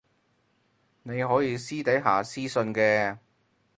你可以私底下私訊嘅